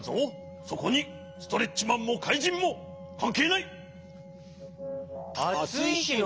そこにストレッチマンもかいじんもかんけいない。